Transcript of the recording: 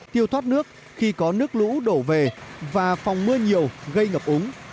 tiêu thoát nước khi có nước lũ đổ về và phòng mưa nhiều gây ngập úng